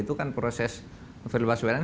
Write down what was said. itu kan proses novel baswedan